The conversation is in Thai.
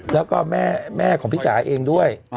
แล้วก็แม่ของพี่จ๋าเองด้วย